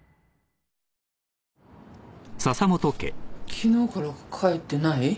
昨日から帰ってない？